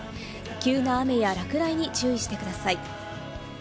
急な雨や落雷に注意してください。